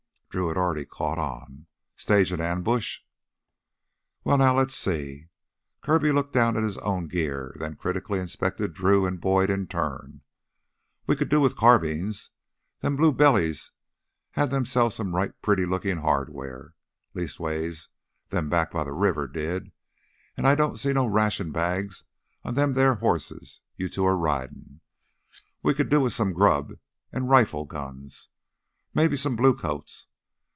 Drew had already caught on. "Stage an ambush?" "Well, now, let's see." Kirby looked down at his own gear, then critically inspected Drew and Boyd in turn. "We could do with carbines. Them blue bellies had them some right pretty lookin' hardware leastways them back by the river did. An' I don't see no ration bags on them theah hosses you two are ridin'. Yes, we could do with grub, an' rifle guns ... maybe some blue coats....